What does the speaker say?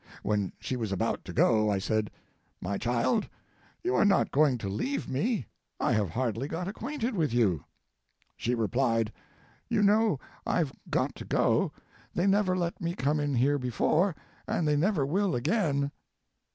When she was about to go; I said, "My child, you are not going to leave me; I have hardly got acquainted with you." She replied, "You know I've got to go; they never let me come in here before, and they never will again."